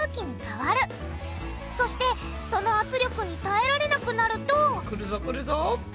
そしてその圧力に耐えられなくなるとくるぞくるぞ！